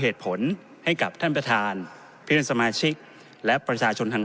เหตุผลให้กับท่านประธานเพื่อนสมาชิกและประชาชนทาง